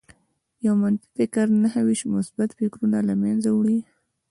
يو منفي فکر نهه نوي مثبت فکرونه لمنځه وړي